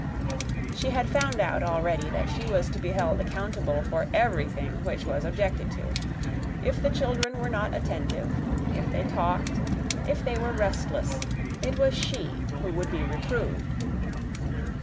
She had found out already that she was to be held accountable for everything which was objected to. If the children were not attentive, if they talked, if they were restless, it was she who would be reproved.